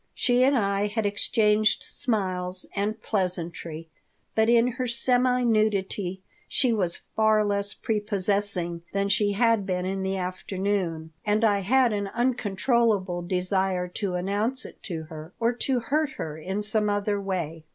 She and I had exchanged smiles and pleasantry, but in her semi nudity she was far less prepossessing than she had been in the afternoon, and I had an uncontrollable desire to announce it to her, or to hurt her in some other way.